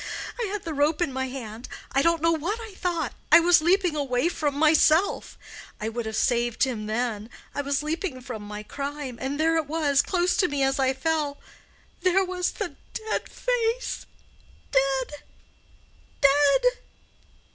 —and I had the rope in my hand—I don't know what I thought—I was leaping away from myself—I would have saved him then. I was leaping from my crime, and there it was—close to me as I fell—there was the dead face—dead, dead.